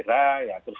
kepada mbak hera